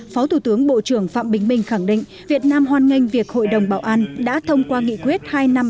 phó thủ tướng bộ trưởng phạm bình minh khẳng định việt nam hoan nghênh việc hội đồng bảo an đã thông qua nghị quyết hai nghìn năm trăm ba mươi hai